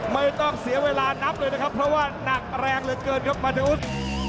ไม่ต้องเสียเวลานับเลยนะครับเพราะว่าหนักแรงเหลือเกินครับบรรดาวุฒิ